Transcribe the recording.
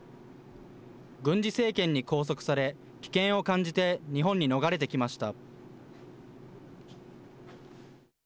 軍事政権に拘束され、危険を感じて日本に逃れてきました。